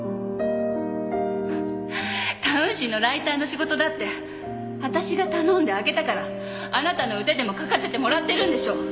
タウン誌のライターの仕事だって私が頼んであげたからあなたの腕でも書かせてもらってるんでしょ！